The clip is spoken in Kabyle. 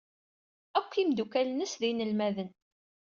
Akk imeddukal-nnes d inelmaden.